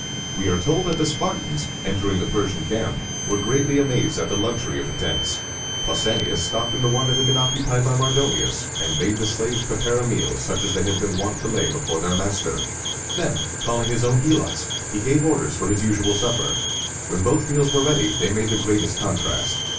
We are told that the Spartans, entering the Persian camp, were greatly amazed at the luxury of the tents. Pausanias stopped in the one that had been occupied by Mardonius, and bade the slaves prepare a meal such as they had been wont to lay before their master. [Illustration: Return of the Victorious Greeks.] Then, calling his own Helots, he gave orders for his usual supper. When both meals were ready, they made the greatest contrast.